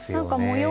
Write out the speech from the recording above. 模様